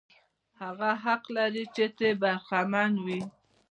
هغه حق لري چې ترې برخمن وي.